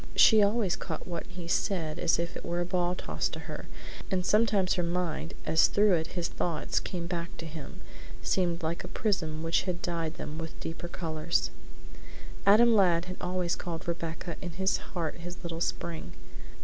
She always caught what he said as if it were a ball tossed to her, and sometimes her mind, as through it his thoughts came back to him, seemed like a prism which had dyed them with deeper colors. Adam Ladd always called Rebecca in his heart his little Spring.